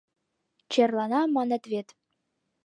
Черлана, маныт вет...